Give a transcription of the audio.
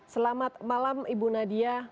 selamat malam ibu nadia